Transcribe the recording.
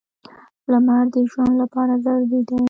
• لمر د ژوند لپاره ضروري دی.